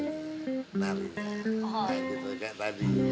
narinya kayak gitu kayak tadi